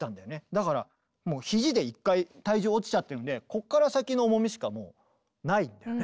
だからもう肘で一回体重落ちちゃってるんでここから先の重みしかもうないんだよね。